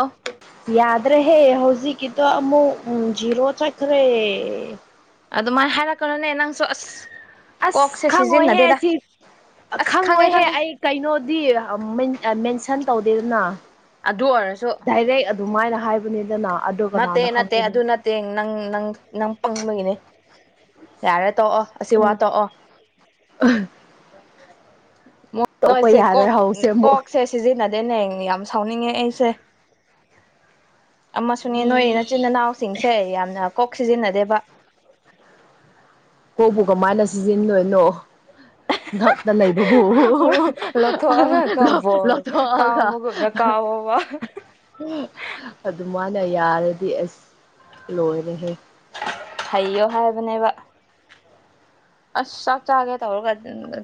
ꯑꯧ꯫ ꯌꯥꯗꯔꯦ ꯍꯦ ꯍꯧꯖꯤꯛ ꯀꯤꯗꯣ ꯑꯃꯨꯛ ꯖꯤꯔꯣ ꯆꯠꯈ꯭ꯔꯦ꯫ ꯑꯗꯨꯃꯥꯏꯅ ꯍꯥꯏꯔꯛꯀꯅꯨꯅꯦ ꯅꯪꯁꯨ ꯑꯁ ꯀꯣꯛꯁꯦ ꯑꯁ ꯁꯤꯖꯤꯟꯅꯗꯦꯗ꯫ ꯈꯪꯉꯣꯏꯍꯦ ꯁꯤ ꯑꯁ ꯈꯪꯉꯦ ꯈꯪꯉꯣꯏꯍꯦ ꯈꯪꯉꯦ ꯑꯩ ꯀꯩꯅꯣꯗꯤ ꯑꯥ ꯃꯦꯟ꯫ ꯁꯟ ꯇꯧꯗꯦꯗꯅ ꯑꯗꯨ ꯑꯣꯏꯔꯁꯨ ꯗꯥꯏꯔꯦꯛ ꯑꯗꯨꯃꯥꯏꯅ ꯍꯥꯏꯕꯅꯤ꯫ ꯅꯠꯇꯦ ꯅꯠꯇꯦ ꯑꯗꯨ ꯅꯠꯇꯦ ꯅꯪ ꯅꯪ ꯅꯪ ꯄꯪꯕꯒꯤꯅꯤ ꯌꯥꯔꯦ꯫ ꯇꯣꯛꯑꯣ ꯑꯁꯤ ꯋꯥ ꯎꯝ ꯇꯣꯛꯑꯣ꯫ ꯃꯣꯏ ꯇꯣꯛꯄ ꯃꯣꯏꯁꯦ ꯌꯥꯔꯣꯏ ꯀꯣꯛ ꯍꯧꯁꯦ ꯑꯃꯨꯛ ꯀꯣꯛꯁꯦ ꯁꯤꯖꯤꯟꯅꯗꯦꯅꯦ ꯌꯥꯝ ꯁꯥꯎꯅꯤꯡꯉꯦ ꯑꯩꯁꯦ꯫ ꯑꯃꯁꯨꯅꯦ ꯅꯣꯏ ꯅꯆꯤꯟ ꯃꯤ ꯅꯥꯎꯁꯤꯡꯁꯦ ꯌꯥꯝꯅ꯫ ꯀꯣꯛ ꯁꯤꯖꯤꯟꯅꯗꯦꯕ꯫ ꯀꯣꯛꯕꯨ ꯀꯃꯥꯏꯅ ꯁꯤꯖꯤꯟꯗꯣꯏꯅꯣ꯫ ꯑꯥ ꯂꯧꯊꯣꯛꯑꯒ ꯀꯕꯣ ꯂꯧꯊꯣꯛꯑꯒ ꯀꯥꯎꯕꯒꯨꯝꯅ ꯀꯥꯎꯕ꯫ ꯋꯥ꯫ ꯑꯗꯨ ꯃꯥꯅ ꯌꯥꯔꯗꯤ ꯑꯁ꯫ ꯂꯣꯏꯔꯦꯍꯦ ꯍꯩꯌꯣ ꯍꯥꯏꯕꯅꯦꯕ꯫ ꯑꯁ ꯆꯥꯛ ꯆꯥꯒꯦ ꯇꯧꯔꯒ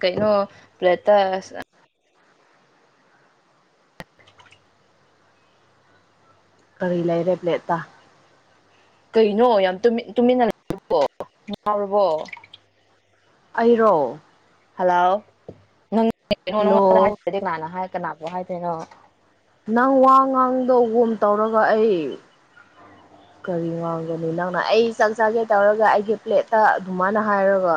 ꯀꯩꯅꯣ ꯄ꯭ꯂꯦꯠꯇ꯫ ꯀꯔꯤ ꯂꯩꯔꯦ ꯄ꯭ꯂꯦꯠꯇ꯫ ꯀꯩꯅꯣ ꯌꯥꯝ ꯇꯨꯃꯤꯟꯅꯔꯕꯣ ꯉꯥꯎꯔꯕꯣ꯫ ꯑꯩꯔꯣ꯫ ꯍꯜꯂꯣꯅꯣ ꯅꯉꯣꯟꯗ ꯍꯜꯂꯣ ꯍꯥꯏꯗꯔꯗꯤ ꯀꯅ ꯍꯥꯏ ꯀꯅꯥꯕꯨ ꯍꯥꯏꯗꯣꯏꯅꯣ꯫ ꯅꯪ ꯋꯥ ꯉꯥꯡꯗꯣ ꯒꯣꯝ ꯇꯧꯔꯒ ꯑꯩ꯫ ꯀꯔꯤ ꯉꯥꯡꯒꯅꯤ ꯅꯪꯅ ꯑꯩ ꯆꯥꯛ ꯆꯥꯒꯦ ꯇꯧꯔꯒ ꯑꯩꯒꯤ ꯄ꯭ꯂꯦꯠꯇ ꯑꯗꯨꯃꯥꯏꯅ ꯍꯥꯏꯔꯒ꯫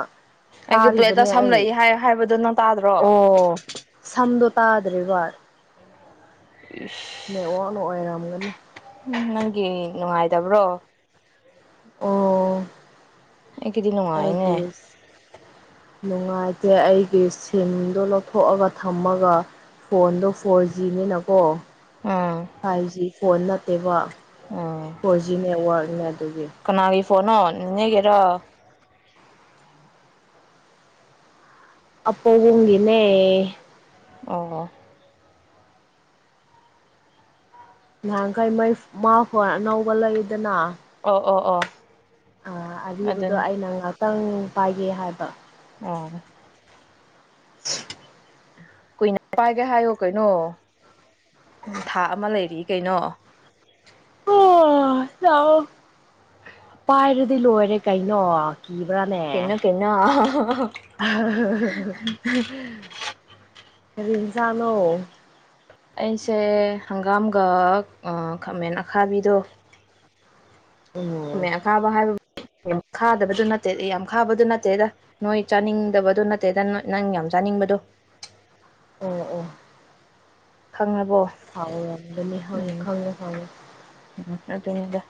ꯑꯩꯒꯤ ꯄ꯭ꯂꯦꯠꯇ ꯇꯥꯔꯤꯕꯅꯦ ꯁꯝ ꯑꯩ ꯂꯩ ꯍꯥꯏ ꯍꯥꯏꯕꯗꯣ ꯅꯪ ꯇꯥꯗ꯭ꯔꯣ ꯑꯣ ꯁꯟꯗꯣ꯫ ꯇꯗ꯭ꯔꯦꯕ꯫ ꯏꯁ꯫ ꯅꯦꯋꯥꯛꯅ ꯑꯣꯏꯔꯝꯒꯅꯤ꯫ ꯎꯝ ꯅꯪꯒꯤ ꯅꯨꯡꯉꯥꯏꯇꯕ꯭ꯔꯣ꯫ ꯑꯣ꯫ ꯑꯩ ꯀꯦꯗꯤ ꯅꯨꯉꯥꯏꯑꯦꯅꯦ꯫ ꯑꯩꯒꯤ ꯅꯨꯡꯉꯥꯏꯇꯦ ꯑꯩꯒꯤ ꯁꯤꯝꯗꯣ ꯂꯧꯊꯣꯛꯑꯒ ꯊꯝꯃꯒ꯫ ꯐꯣꯟꯗꯣ ꯐꯣꯔ ꯖꯤꯅꯤꯅꯀꯣ꯫ ꯎꯝ ꯐꯥꯏꯚ ꯖꯤ ꯐꯣꯟ ꯅꯠꯇꯦꯕ ꯎꯝ ꯐꯣꯔ ꯖꯤ ꯅꯦꯠꯋꯥꯛꯅꯦ꯫ ꯑꯗꯨꯒꯤ꯫ ꯀꯅꯥꯒꯤ ꯐꯣꯟꯅꯣ ꯅꯤꯅꯦꯒꯤꯔꯣ꯫ ꯑ ꯄꯥ ꯅꯤꯝꯒꯤꯅꯦ꯫ ꯑꯣ꯫ ꯅꯍꯥꯟ ꯀꯩ ꯃꯩ ꯃꯥ ꯐꯣꯟ ꯑꯅꯧꯕ ꯂꯩꯗꯅ꯫ ꯑꯣ ꯑꯣ ꯑꯣ꯫ ꯑꯥ ꯑꯔꯤꯕꯗꯣ ꯑꯗꯨꯅꯤ ꯑꯩꯅ ꯉꯥꯛꯇꯪ ꯄꯥꯏꯒꯦ ꯍꯥꯏꯕ꯫ ꯑꯣ꯫ ꯀꯨꯏꯅ ꯄꯥꯏꯒꯦ ꯍꯥꯏꯌꯣ ꯀꯩꯅꯣ ꯊꯥ ꯑꯃ ꯂꯩꯔꯤ ꯀꯩꯅꯣ꯫ ꯑꯣ ꯂꯛ ꯑꯣ ꯄꯥꯏꯔꯗꯤ ꯂꯣꯏꯔꯦ ꯀꯩꯅꯣ꯫ ꯀꯤꯕ꯭ꯔꯅꯦ ꯀꯩꯅꯣ ꯫ ꯀꯩꯅꯣ ꯎꯝ ꯀꯔꯤ ꯖꯥꯉꯅꯣ ꯑꯩꯁꯦ ꯍꯪꯒꯥꯝꯒ ꯈꯥꯃꯦꯟ ꯑꯈꯥꯕꯤꯗꯣ ꯎꯝ ꯈꯥꯃꯦꯟ ꯑꯥꯀꯥꯕꯍꯔ ꯈꯥꯗꯕꯗꯨ ꯅꯠꯇꯦ ꯌꯥꯝ ꯈꯥꯕꯗꯨ ꯅꯠꯇꯦꯗ ꯅꯣꯏ ꯆꯥꯅꯤꯡꯗꯕꯗꯨ ꯅꯠꯇꯦꯗ ꯅꯪ ꯆꯥꯅꯤꯡꯕꯗꯣ ꯑꯣ ꯑꯣ ꯈꯪꯉꯕꯣ ꯍꯥꯎꯔꯝꯒꯅꯤ ꯈꯪꯉꯦ ꯎꯝ ꯈꯪꯉꯦ ꯈꯪꯉꯦ ꯎꯝ ꯑꯗꯨꯅꯗ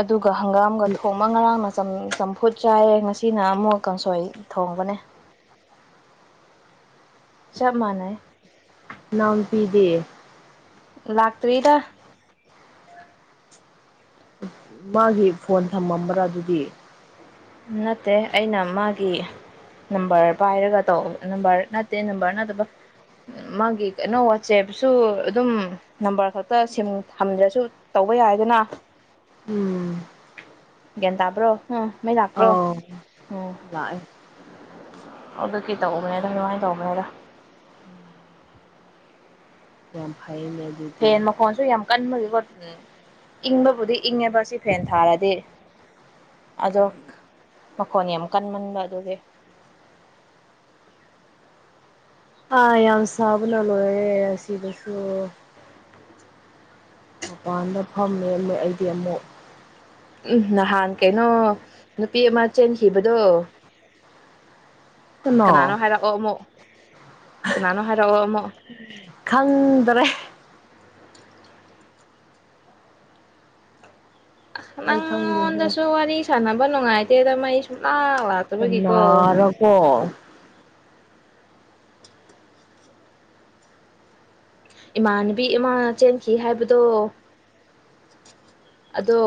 ꯑꯗꯨꯒ ꯍꯪꯒꯥꯝꯒ ꯊꯣꯡꯕ ꯉꯔꯥꯡꯅ ꯆꯝꯐꯨꯠ ꯆꯥꯏꯌꯦ ꯉꯁꯤꯅ ꯑꯃꯨꯛꯀꯪꯁꯣꯏ ꯊꯣꯡꯕꯅꯦ ꯆꯞ ꯃꯥꯅꯦ ꯅꯅꯥꯎ ꯄꯤꯗꯦ ꯂꯥꯛꯇꯔꯤꯗ ꯃꯥꯒꯤ ꯐꯣꯟ ꯊꯝꯃꯝꯕ꯭ꯔꯥ ꯑꯗꯨꯗꯤ ꯅꯠꯇꯦ ꯑꯩꯅ ꯃꯥꯒꯤ ꯅꯝꯕꯔ ꯄꯥꯏꯔꯒ ꯇꯧ ꯅꯝꯕꯔ ꯅꯠꯇꯦ ꯅꯝꯕꯔ ꯅꯠꯇꯕ ꯃꯥꯒꯤ ꯀꯩꯅꯣ ꯋꯥꯆꯦꯞꯁꯨ ꯑꯗꯨꯝ ꯅꯝꯕꯔ ꯈꯛꯇ ꯊꯝꯗ꯭ꯔꯁꯨ ꯇꯧ ꯍꯧꯕ ꯌꯥꯏꯗꯅ ꯎꯝ ꯒ꯭ꯌꯥꯟ ꯇꯥꯕ꯭ꯔꯣ ꯎꯝ ꯃꯩ ꯂꯥꯛꯄ꯭ꯔꯣ ꯑꯥꯎ ꯎꯝ ꯂꯥꯛꯑꯦ ꯑꯗꯨ ꯀꯩ ꯇꯧꯅꯦꯗ ꯉꯥꯏꯅ ꯇꯧꯕꯅꯦꯗ ꯎꯝ ꯌꯥꯝ ꯐꯩ ꯃꯗꯨꯗꯤ ꯐꯦꯟ ꯃꯈꯣꯟꯁꯨ ꯌꯥꯝ ꯀꯟꯕꯒꯤꯀꯣ ꯏꯪꯕꯕꯨꯗꯤ ꯏꯪꯉꯦꯕ ꯁꯤ ꯐꯦꯟ ꯊꯥꯔꯗꯤ ꯑꯗꯣ ꯃꯈꯣꯟ ꯌꯥꯝ ꯀꯟꯃꯟꯕ ꯑꯗꯨꯒꯤ [unintelligible] ꯑꯥ ꯌꯥꯝ ꯁꯥꯕꯅ ꯂꯣꯏꯔꯦ ꯑꯁꯤꯗꯁꯨ ꯃꯄꯥꯟꯗ ꯐꯝꯃꯦ ꯑꯃꯨꯛ ꯑꯩꯗꯤ ꯑꯃꯨꯛ ꯎꯝ ꯅꯍꯥꯟ ꯀꯩꯅꯣ ꯅꯨꯄꯤ ꯑꯃ ꯆꯦꯟꯈꯤꯕꯗꯣ ꯀꯅꯥ ꯀꯅꯥꯅꯣ ꯍꯥꯏꯔꯛꯑꯣ ꯑꯃꯨꯛ ꯀꯅꯥꯅꯣ ꯍꯥꯏꯔꯛꯑꯣ ꯑꯃꯨꯛ ꯈꯪꯗ꯭ꯔꯦ ꯑꯩ ꯈꯪꯗꯦꯍꯦ ꯅꯪꯉꯣꯟꯗꯁꯨ ꯋꯥꯔꯤ ꯁꯥꯟꯅꯕ ꯅꯨꯡꯉꯥꯏꯇꯦꯗ ꯃꯩ ꯁꯨꯡꯂꯥꯛ ꯂꯥꯛꯇꯕꯒꯤꯀꯣ ꯑꯣ ꯏꯃꯥꯟꯅꯕꯤ ꯏꯃꯥꯅ ꯆꯦꯟꯈꯤ ꯍꯥꯏꯕꯗꯣ ꯑꯗꯣ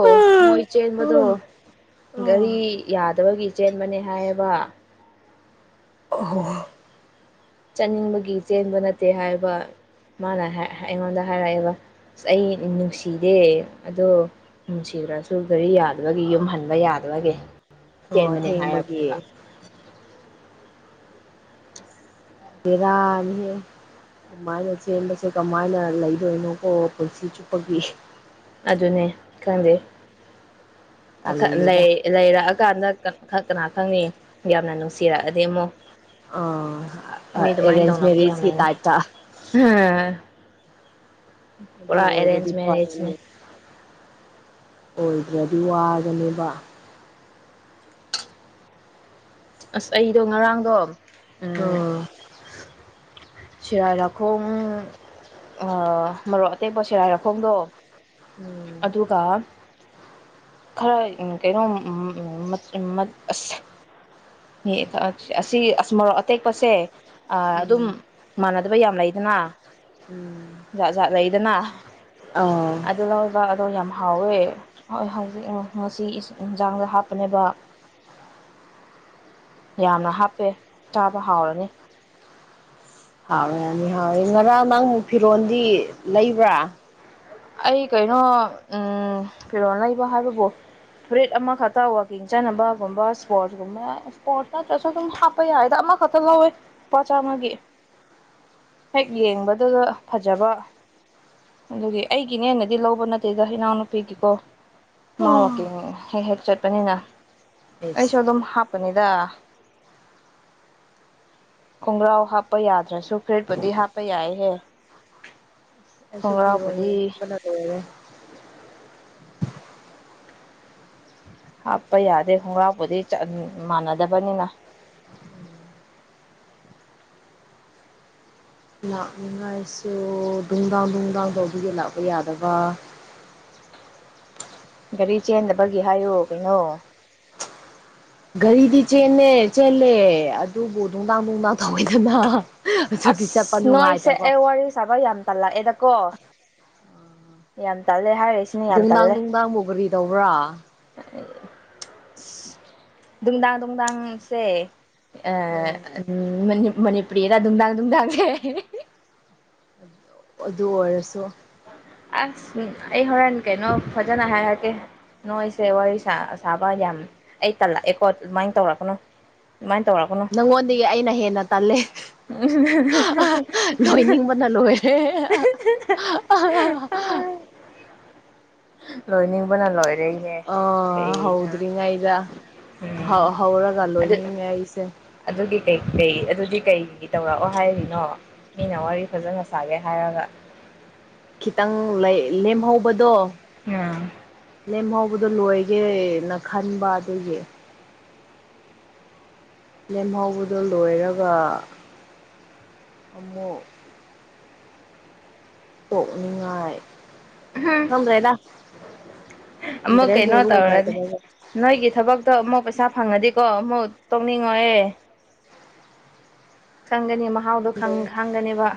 ꯃꯣꯏ ꯆꯦꯟꯕꯗꯣ ꯒꯥꯔꯤ ꯌꯥꯗꯕꯒꯤ ꯆꯦꯟꯕꯅꯤ ꯍꯥꯏꯕ ꯍ ꯆꯠꯅꯤꯡꯕꯒꯤ ꯆꯦꯟꯕ ꯅꯠꯇꯦ ꯍꯥꯏꯕ ꯃꯥꯅ ꯑꯩꯉꯣꯟꯗ ꯍꯥꯏꯔꯛꯑꯦꯕ ꯑꯁ ꯑꯩ ꯅꯨꯡꯁꯤꯗꯦ ꯑꯗꯣ ꯅꯨꯡꯁꯤꯕ꯭ꯔꯁꯨ ꯒꯥꯔꯤ ꯌꯥꯗꯕꯒꯤ ꯌꯨꯝ ꯍꯟꯕ ꯌꯥꯗꯕꯒꯤ ꯑꯣ ꯀꯔꯃꯅꯦ ꯍꯥꯏꯔꯔꯕꯅꯦꯕ ꯊꯦꯡꯕꯒꯤ ꯔꯥꯜ ꯍꯦ ꯑꯗꯨꯃꯥꯏꯅ ꯆꯦꯟꯕꯁꯦ ꯀꯃꯥꯏꯅ ꯂꯩꯗꯣꯏꯅꯣꯀꯣ ꯄꯨꯟꯁꯤ ꯆꯨꯞꯄꯒꯤ ꯑꯗꯨꯅꯦ ꯈꯪꯗꯦ ꯇꯜꯂꯦꯗ ꯂꯩꯔꯛꯑꯀꯥꯟꯗ ꯈꯛ ꯀꯅꯥ ꯈꯪꯅꯤ ꯌꯥꯝꯅ ꯅꯨꯡꯁꯤꯔꯛꯑꯗꯤ ꯑꯃꯨꯣ ꯑꯥ ꯃꯤ ꯑꯗꯨꯃꯥꯏꯅ ꯑꯦꯔꯦꯟꯖ ꯇꯧꯅꯕꯁꯦ ꯌꯥꯝ ꯃꯦꯔꯦꯖꯀꯤ ꯂꯩꯅ ꯇꯥꯏꯞꯇ ꯑꯗꯨ ꯄꯨꯔꯥ ꯑꯣꯏꯕꯗꯤ ꯑꯦꯔꯦꯟꯖ ꯃꯦꯔꯦꯖꯅꯦ ꯐꯔꯦꯅꯦ ꯑꯣꯏꯗ꯭ꯔꯗꯤ ꯋꯥꯒꯅꯦꯕ ꯑꯁ ꯑꯩꯗꯣ ꯉꯔꯥꯡꯗꯣ ꯑꯣ ꯁꯦꯔꯥꯏꯔꯈꯣꯡ ꯃꯔꯣꯛ ꯑꯇꯦꯛꯄ ꯁꯦꯔꯥꯏꯔꯈꯣꯡꯗꯣ ꯎꯝ ꯑꯗꯨ ꯀ ꯈꯔ ꯀꯩꯅꯣ ꯑꯁ ꯍ ꯑꯁꯤ ꯏꯁ ꯃꯣꯔꯣꯛ ꯑꯇꯦꯛꯄꯁꯦ ꯑꯗꯨꯝ ꯎꯝ ꯃꯥꯟꯅꯗꯕ ꯌꯥꯝ ꯂꯩꯗꯅ ꯎꯝ ꯖꯥꯠ ꯖꯥꯠ ꯂꯩꯗꯅ ꯑꯥ ꯑꯗꯨ ꯂꯕ ꯑꯗꯣ ꯌꯥꯝ ꯍꯥꯎꯋꯦ ꯍꯣꯏ ꯍꯧꯖꯤꯛ ꯉꯁꯤ ꯏꯟꯁꯥꯡꯁꯦ ꯍꯥꯞꯄꯅꯦꯕ [inaudible] ꯌꯥꯝꯅ ꯍꯥꯞꯄꯦ ꯆꯥꯕ ꯍꯥꯎꯔꯅꯤ ꯍꯥꯎꯏ ꯌꯥꯅꯤ ꯍꯥꯎꯋꯦ ꯉꯔꯥꯡ ꯅꯪ ꯐꯤꯔꯣꯜꯗꯤ ꯂꯩꯕ꯭ꯔꯥ ꯑꯩ ꯀꯩꯅꯣ ꯀꯤꯔꯣ ꯂꯩꯕ ꯍꯥꯏꯕꯕꯨꯣ ꯕ꯭ꯔꯦꯠ ꯑꯃꯈꯛꯇ ꯋꯥꯋꯀꯤꯡ ꯆꯥꯅꯕꯒꯨꯝꯕ ꯏꯁꯄꯣꯔꯠꯨꯝꯕ ꯏꯁꯄꯣꯔꯠ ꯅꯠꯇ꯭ꯔꯁꯨ ꯑꯗꯨꯝ ꯍꯥꯞꯄ ꯌꯥꯏ ꯍꯥꯏ ꯈꯇꯔ ꯂꯧꯑꯣ ꯂꯨꯄ ꯆꯥꯃꯥꯒꯤ ꯍꯦꯛ ꯌꯦꯡꯕꯗꯨꯒ ꯐꯖꯕ ꯑꯗꯨꯒꯤ ꯑꯩꯒꯤꯅꯦ ꯍꯦꯟꯅꯗꯤ ꯂꯧꯕ ꯅꯠꯇꯦꯗ ꯏꯅꯥꯎꯅꯨꯄꯤꯒꯤꯀꯣ ꯃꯥ ꯍꯦꯛ ꯍꯦꯛ ꯆꯠꯄꯅꯤꯅ ꯑꯦꯁ ꯑꯩꯁꯨ ꯑꯗꯨꯝ ꯄꯨꯅꯤꯗ ꯈꯣꯡꯒ꯭ꯔꯥꯎ ꯍꯥꯞꯄ ꯌꯥꯗ꯭ꯔꯁꯨ ꯐ꯭ꯔꯔꯤꯠꯄꯨꯗꯤ ꯍꯥꯞꯄ ꯌꯥꯏꯍꯦ ꯁꯨ ꯐꯤ ꯈꯣꯡꯒ꯭ꯔꯥꯎꯕꯨꯗꯤ ꯑꯣꯏꯔꯦ ꯍꯥꯞꯄ ꯌꯥꯗꯦ ꯍꯣꯡꯒꯥꯞꯄꯨꯗꯤ ꯃꯥꯟꯅꯗꯕꯅꯤꯅ [inaudible] ꯂꯥꯛꯅꯤꯉꯥꯏꯁꯨ ꯅꯨꯡꯗꯥꯡ ꯅꯨꯡꯗꯥꯡ ꯇꯧꯕꯒꯤ ꯂꯥꯛꯄ ꯌꯥꯗꯕ ꯒꯥꯔꯤ ꯆꯦꯟꯗꯕꯒꯤ ꯍꯥꯏꯌꯨ ꯀꯩꯅꯣ ꯒꯥꯔꯤꯗꯤ ꯆꯦꯟꯂꯦ ꯆꯦꯜꯂꯦ ꯑꯗꯨꯕꯨ ꯅꯨꯡꯗꯥꯡ ꯅꯨꯡꯗꯥꯡ ꯇꯧꯋꯦꯗꯅ ꯑꯁ ꯅꯣꯏꯁꯦ ꯑꯩ ꯋꯥꯔꯤ ꯁꯥꯕ ꯌꯥꯝ ꯇꯥꯜꯂꯛꯑꯦꯗꯀꯣ ꯌꯥꯝ ꯇ ꯅꯨꯡꯗꯥꯡ ꯅꯨꯡꯗꯥꯡ ꯃꯨꯒꯔꯤ ꯇꯧꯕ꯭ꯔꯥ ꯅꯨꯡꯗꯥꯡ ꯅꯨꯡꯗꯥꯡꯁꯦ ꯑ ꯎꯝ ꯃꯅꯤ ꯃꯅꯤꯄꯨꯔꯤꯗ ꯗꯥꯥꯡ ꯗꯥꯥꯡꯒ ꯑꯗꯨ ꯑꯣꯏꯔꯁꯨ ꯑꯁ ꯑꯩ ꯍꯔ ꯏ ꯀꯦꯅꯣ ꯐꯖꯥꯅꯍꯦ ꯍꯥꯏꯒꯦ ꯅꯣꯏꯁꯦ ꯋꯥꯔꯤ ꯁꯥꯕ ꯌꯥꯝ ꯑꯩ ꯇꯜꯂꯛꯑꯦꯀꯣ ꯑꯗꯨꯃꯥꯏꯅ ꯇꯧꯔꯛꯀꯅꯨ ꯑꯗꯨꯃꯥꯏꯅ ꯇꯧꯔꯛꯀꯅꯨ ꯅꯪꯉꯣꯟꯗꯒꯤ ꯑꯩꯅ ꯍꯦꯟꯅ ꯇꯜꯂꯦ ꯂꯣꯏꯅꯤꯡꯕꯅ ꯂꯣꯏꯔꯦ [inaudible] ꯂꯣꯏꯅꯤꯉꯕꯅ ꯂꯣꯏ ꯑ ꯍꯥꯎꯗ꯭ꯔꯤ ꯉ ꯏꯗ ꯎꯝ ꯍꯧꯔꯒ ꯂꯣꯏꯅꯤꯡꯉꯦ ꯑꯩꯁꯦ ꯀ ꯀꯩ ꯑꯗꯨꯗꯤ ꯀꯩ ꯇꯧꯔꯛꯑꯣ ꯍꯥꯏꯔꯤꯅꯣ ꯃꯤꯅ ꯋꯥꯔꯤ ꯐꯖꯅ ꯁꯥꯒꯦ ꯍꯥꯏꯔꯒ ꯈꯤꯇꯪ ꯂꯦꯝꯍꯧꯕꯗꯣ ꯑꯥ ꯂꯦꯝꯍꯧꯕꯗꯣ ꯂꯣꯏꯒꯦꯅ ꯈꯟꯕ ꯑꯗꯨꯒꯤ ꯂꯦꯝꯍꯧꯕꯗꯣ ꯂꯣꯏꯔꯒ ꯑꯃꯨꯛ ꯇꯣꯛꯅꯤꯡꯉꯥꯏ ꯈꯪꯗꯔꯦꯗ ꯑꯃꯨꯛ ꯀꯩꯅꯣ ꯇꯧꯔꯗꯤ ꯂꯩꯇꯕꯒꯨꯝ ꯅꯣꯏꯒꯤ ꯊꯕꯛꯇꯣ ꯑꯃꯨꯛ ꯄꯩꯁꯥ ꯐꯪꯉꯗꯤ ꯀꯣ ꯃꯨꯛ ꯇꯧꯅꯤꯡꯉꯣꯏꯌꯦ ꯃꯍꯥꯎꯗꯣ ꯗ ꯈꯪꯒꯅꯦꯕ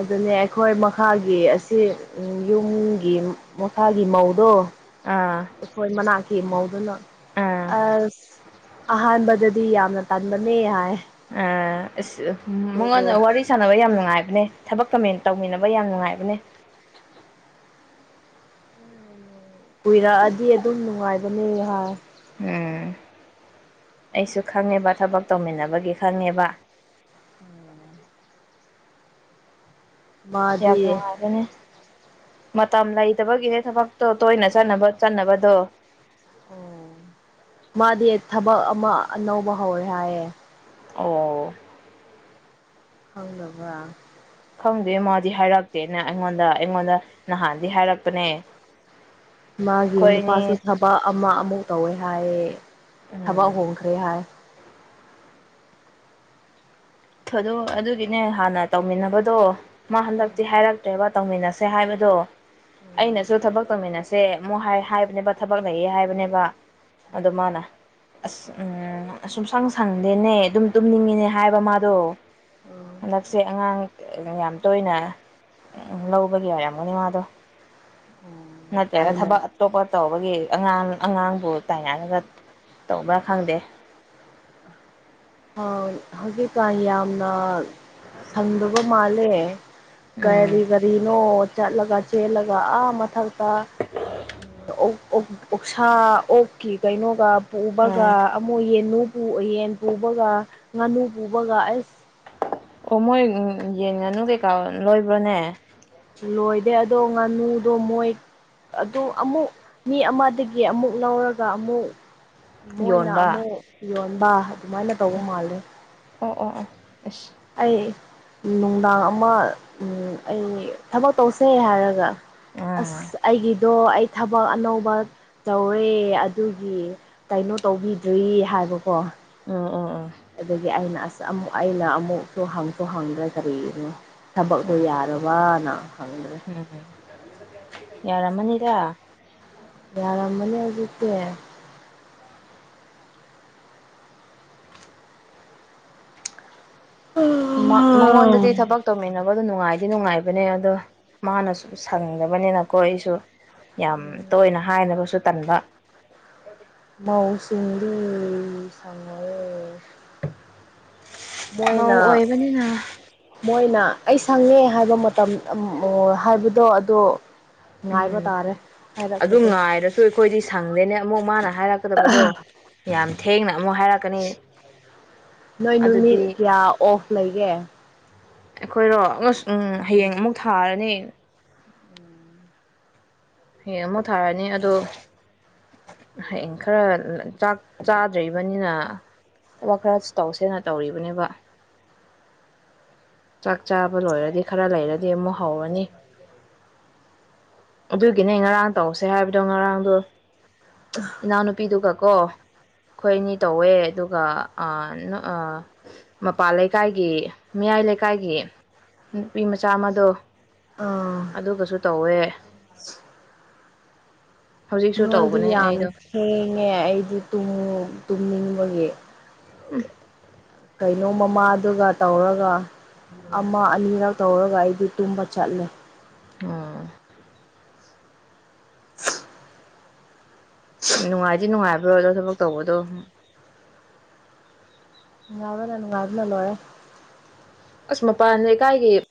ꯑꯗꯨꯅꯦ ꯃꯣꯏ ꯃꯈꯥꯒꯤ ꯑꯁꯤ ꯌꯨꯝꯒꯤ ꯃꯈꯥꯒꯤ ꯃꯧꯗꯣ ꯑꯥ ꯑꯩꯈꯣꯏ ꯃꯅꯥꯛꯀꯤ ꯃꯧꯗꯨꯅ ꯑꯥ ꯑꯁ ꯑꯍꯥꯟꯕꯗ ꯗꯤ ꯌꯥꯝꯅ ꯇꯟꯕꯅꯦ ꯍꯥꯏ ꯑ ꯑꯁ ꯑꯗꯨꯕꯨ ꯃꯉꯣꯟꯗ ꯋꯥꯔꯤ ꯁꯥꯟꯅꯕ ꯌꯥꯝ ꯅꯨꯡꯉꯥꯏꯕꯅꯦ ꯊꯕꯛ ꯀꯃꯦꯟ ꯇꯧꯃꯤꯟꯅꯕ ꯌꯥꯝ ꯅꯨꯡꯉꯥꯏꯕꯅꯦ ꯀꯨꯏꯔꯛꯑꯗꯤ ꯑꯗꯨꯝ ꯅꯨꯡꯉꯥꯏꯕꯅꯦꯍ ꯎꯝ ꯑꯩꯁꯨ ꯈꯪꯉꯦꯕ ꯊꯕꯛ ꯇꯧꯃꯤꯟꯅꯕꯒꯤ ꯈꯪꯉꯦꯕ ꯌꯥꯝ ꯃꯥꯗꯤ ꯅꯨꯡꯉꯥꯏꯒꯅꯦ ꯃꯇꯝ ꯂꯩꯇꯕꯒꯤꯅꯦꯦ ꯊꯕꯛꯇꯣ ꯇꯣꯏꯅ ꯆꯅꯕ ꯆꯠꯅꯕꯗꯣ ꯑꯣ ꯃꯥꯗꯤ ꯊꯕꯛ ꯑꯃ ꯑꯅꯧꯕ ꯍꯧꯋꯦ ꯍꯥꯏꯌꯦꯦ ꯑꯣ ꯈꯂꯕ [inaudible] ꯈꯪꯗꯣꯏꯦ ꯃꯣꯏꯗꯤ ꯍꯥꯏꯔꯛꯇꯦꯅ ꯑꯩꯉꯣꯟꯗ ꯑꯩꯉꯣꯟꯗ ꯅꯍꯥꯟꯗꯤ ꯍꯥꯏꯔꯛꯄꯅꯦ ꯃꯥꯒꯤ ꯅꯨꯄꯥꯁꯨ ꯑꯩꯈꯣꯏꯅꯤ ꯊꯕꯛ ꯑꯃ ꯑꯃꯨꯛ ꯇꯧꯋꯦ ꯍꯥꯏꯌꯦ ꯊꯕꯛ ꯍꯣꯡꯈ꯭ꯔꯦ ꯍꯥꯏ ꯊꯗ ꯑꯗꯨꯒꯤꯅꯦ ꯍꯥꯟꯅ ꯇꯧꯃꯤꯟꯅꯕꯗꯣ ꯃꯥ ꯍꯟꯗꯛꯇꯤ ꯍꯥꯏꯔꯛꯇ꯭ꯔꯦꯕ ꯇꯧꯃꯤꯟꯅꯁꯦ ꯍꯥꯏꯕꯗꯣ ꯑꯩꯅꯁꯨ ꯊꯕꯛ ꯇꯧꯃꯤꯟꯅꯁꯦ ꯑꯃꯨꯣꯏ ꯍꯥꯏꯕꯅꯦꯕ ꯊꯕꯛ ꯂꯩꯌꯦ ꯍꯥꯏꯕꯅꯦꯕ ꯑ ꯃꯥꯅ ꯑꯁ ꯎꯝ ꯁꯨꯡꯁꯪ ꯁꯪꯗꯦꯅꯦ ꯑꯗꯨꯝ ꯇꯨꯝꯅꯤꯡꯉꯤꯅꯦ ꯍꯥꯏꯕ ꯃꯥ ꯑꯗꯣ ꯍꯟꯗꯛꯁꯦ ꯑꯉꯥꯡ ꯌꯥꯝ ꯇꯣꯏꯅ ꯂꯧꯕꯒꯤ ꯑꯣꯏꯔꯝꯃꯅꯤ ꯃꯥꯗꯣ ꯅꯠꯇ꯭ꯔꯒ ꯑꯩꯅ ꯊꯕꯛ ꯑꯇꯣꯞꯄ ꯇꯧꯕꯒꯤ ꯑꯉꯥꯡ ꯑꯉꯥꯡꯕꯨ ꯇꯥꯏꯅꯔꯒ ꯇꯧꯕ꯭ꯔ ꯈꯪꯗꯦ ꯍꯧꯖꯤꯛꯀꯥꯟ ꯌꯥꯝꯅ ꯁꯪꯗꯕ ꯃꯥꯜꯂꯦ ꯎꯝ ꯀꯔꯤ ꯀꯔꯤꯅꯣ ꯆꯠꯂꯒ ꯆꯦꯜꯂꯒ ꯑ ꯃꯊꯛꯇ ꯑꯣ ꯑꯣꯛꯁꯥ ꯑꯣꯛꯀꯤ ꯀꯩꯅꯣꯒ ꯄꯨꯕꯒ ꯎꯝ ꯑꯃꯨꯛ ꯌꯦꯟꯅꯨꯕꯨ ꯌꯦꯟꯕꯨ ꯄꯨꯕꯒ ꯉꯥꯅꯨ ꯄꯨꯕꯒ ꯑꯩꯁ ꯑꯣ ꯃꯣꯏ ꯌꯦꯟ ꯉꯥꯅꯨ ꯀꯩꯀꯥ ꯂꯣꯏꯕ꯭ꯔꯣꯅꯦ ꯂꯣꯏꯗꯦ ꯑꯗꯣ ꯉꯥꯅꯨꯗꯣ ꯃꯣꯏ ꯑꯗꯨ ꯑꯃꯨꯛ ꯃꯤ ꯑꯃꯗꯒꯤ ꯑꯃꯨꯛ ꯂꯧꯔꯒ ꯑꯃꯨꯛ ꯃꯣꯏꯅ ꯌꯣꯟꯕ ꯑꯃꯨꯛ ꯌꯣꯟꯕ ꯑꯗꯨꯃꯥꯏꯅ ꯇꯧꯕ ꯃꯥꯂꯦ ꯑꯣ ꯑꯣ ꯑꯣ ꯑꯁ ꯑꯩ ꯅꯨꯡꯗꯥꯡ ꯑꯃ ꯑꯩ ꯊꯕꯛ ꯇꯧꯁꯦ ꯍꯥꯏꯔꯒ ꯑꯁ ꯑꯩꯒꯤꯗꯣ ꯑꯩ ꯊꯕꯛ ꯑꯅꯧꯕ ꯇꯧꯔꯦ ꯑꯗꯨꯒꯤ ꯀꯩꯅꯣ ꯇꯧꯕꯤꯗ꯭ꯔꯤ ꯍꯥꯏꯕꯀꯣ ꯎꯝ ꯎꯝ ꯎꯝ ꯑꯗꯒꯤ ꯑꯩꯅ ꯑꯁ ꯑꯃꯨꯛ ꯑꯩꯅ ꯑꯃꯨꯛꯁꯨ ꯍꯪꯁꯨ ꯍꯪꯗ꯭ꯔꯥ ꯀꯔꯤꯒꯤꯅꯣ ꯊꯕꯛꯇꯣ ꯎꯝ ꯌꯥꯔꯕꯅ ꯍꯪꯗ꯭ꯔꯦ ꯎꯝ ꯌꯥꯔꯃꯅꯤꯗ ꯌꯥꯔ ꯃꯅꯤꯒꯠꯇꯦ ꯃꯉꯣꯟꯗꯗꯤ ꯊꯕꯛ ꯇꯧꯃꯤꯟꯅꯕ ꯑꯗꯨꯣ ꯅꯨꯡꯉꯥꯏꯗꯤ ꯅꯨꯡꯉꯥꯏꯕꯅꯦ ꯑꯗꯣ ꯃꯥꯅꯁꯨ ꯁꯪꯗꯕꯅꯤꯅꯀꯣ ꯑꯩꯁꯨ ꯌꯥꯝ ꯇꯣꯏꯅ ꯍꯥꯏꯅꯕꯁꯨ ꯇꯟꯕ ꯃꯁꯤꯁꯤꯡꯔꯤ ꯁꯉꯦ ꯃꯣꯏꯅ ꯃꯧ ꯑꯣꯏꯕꯅꯤꯅ ꯃꯣꯏꯅ ꯑꯩ ꯁꯪꯉꯦ ꯍꯥꯏꯕ ꯃꯇꯝ ꯍꯥꯏꯕꯗꯣ ꯑꯗꯣ ꯉꯥꯏꯕ ꯎꯝ ꯇꯥꯔꯦ ꯑꯗꯨ ꯍꯥꯏꯔꯛꯄꯗꯣ ꯉꯥꯏꯔꯁꯨ ꯑꯩꯈꯣꯏꯗꯤ ꯁꯪꯗꯦꯅꯦ ꯑꯃꯨꯛ ꯃꯥꯅ ꯍꯥꯏꯔꯛꯀꯗꯕꯗꯣ ꯌꯥꯝ ꯊꯦꯡꯅ ꯑꯃꯨꯛ ꯍꯥꯏꯔꯛꯀꯅꯤ ꯅꯣꯏ ꯅꯨꯃꯤꯠ ꯑꯗꯨꯗꯤ ꯀꯌꯥ ꯑꯣꯐ ꯂꯩꯒꯦ ꯑꯩꯈꯣꯏꯔꯣ ꯑꯃꯨ ꯎ ꯍꯌꯦꯡ ꯑꯃꯨꯛ ꯊꯥꯔꯅꯤ ꯍꯌꯦꯡ ꯑꯃꯨꯛ ꯊꯥꯔꯅꯤ ꯑꯗꯣ ꯍꯌꯦꯡ ꯈꯔ ꯆꯥꯛ ꯆꯥꯗ꯭ꯔꯤꯕꯅꯤꯅ ꯊꯕꯛ ꯈꯔꯁꯨ ꯇꯧꯁꯦꯅ ꯇꯧꯔꯤꯕꯅꯦꯕ ꯆꯥꯛ ꯆꯥꯕ ꯂꯣꯏꯔꯗꯤ ꯈꯔ ꯂꯩꯔꯗꯤ ꯑꯃꯨꯛ ꯍꯧꯔꯅꯤ ꯑꯗꯨꯒꯤꯅꯦ ꯉꯔꯥꯡ ꯇꯧꯁꯦ ꯍꯥꯏꯕꯗꯣ ꯉꯔꯥꯡꯗꯣ ꯏꯅꯥꯎꯅꯨꯄꯤꯗꯨꯒ ꯀ ꯑꯩꯈꯣꯏꯅꯤ ꯇꯧꯋꯦ ꯑꯗꯨꯒ ꯃꯄꯥꯟ ꯂꯩꯀꯥꯏꯒꯤꯌꯥꯝ ꯂꯩꯀꯥꯏ ꯂꯩꯀꯥꯏꯒꯤ ꯅꯨꯄꯤ ꯃꯆꯥ ꯑꯃꯗꯣ ꯑꯥ ꯑꯗꯨꯒꯁꯨ ꯇꯧꯋꯦ [unintelligible] ꯍꯧꯖꯤꯛꯁꯨ ꯅꯣꯏꯗꯤ ꯇꯧꯕꯅꯦ ꯌꯥꯝ ꯑꯩꯗꯣ ꯊꯦꯡꯉꯦ ꯑꯩꯗꯤ ꯇꯨꯝꯅꯤꯡꯕꯒꯤ ꯎꯝ ꯀꯩꯅꯣ ꯃꯃꯥꯗꯨꯒ ꯇꯧꯔꯒ ꯑꯃ ꯑꯅꯤꯔꯛ ꯇꯧꯔꯒ ꯑꯩꯗꯤ ꯇꯨꯝꯕ ꯆꯠꯂꯦ ꯑꯣ ꯎ ꯅꯨꯡꯉꯥꯏꯗꯤ ꯅꯨꯡꯉꯥꯏꯕ꯭ꯔꯣ ꯑꯗꯣ ꯊꯕꯛ ꯇꯧꯕꯗꯣ ꯔꯅ ꯉꯥꯏꯔꯅꯂꯣꯔꯦ ꯑꯁ ꯃꯄꯥꯟꯁꯦ ꯀꯥꯏꯒꯤꯦ